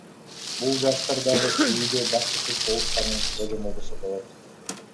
Бул жаштар дагы сүйүүдө бактысыз болушканын божомолдосо болот.